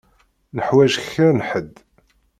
Nuḥwaǧ kra n ḥedd.